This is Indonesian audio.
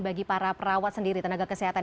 bagi para perawat sendiri tenaga kesehatan